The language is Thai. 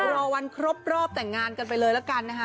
รอวันครบรอบแต่งงานกันไปเลยละกันนะคะ